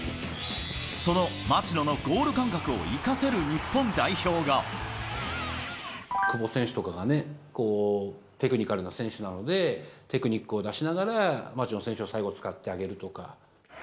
その町野のゴール感覚を生か久保選手とかがね、テクニカルな選手なので、テクニックを出しながら、町野選手を最後、使ってあげるとか。